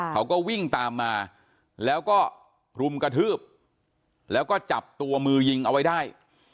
เขาก็วิ่งตามมาแล้วก็รุมกระทืบแล้วก็จับตัวมือยิงเอาไว้ได้